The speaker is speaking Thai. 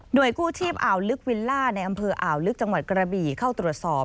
โดยกู้ชีพอ่าวลึกวิลล่าในอำเภออ่าวลึกจังหวัดกระบี่เข้าตรวจสอบ